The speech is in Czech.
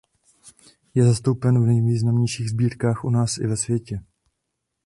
Je zastoupen v nejvýznamnějších sbírkách u nás i ve světě.